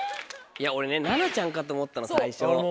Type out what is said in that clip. いや俺ね奈々ちゃんかと思ったの最初。